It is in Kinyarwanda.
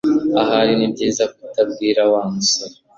Ahari nibyiza kutabwira Wa musore